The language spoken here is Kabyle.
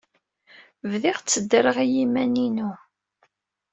Bdiɣ tteddreɣ i yiman-inu.